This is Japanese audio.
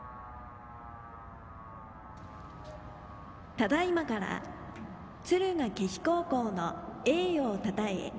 ただいまから敦賀気比高校の栄誉をたたえ